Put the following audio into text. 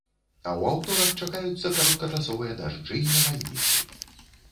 А ў аўторак чакаюцца кароткачасовыя дажджы і навальніцы.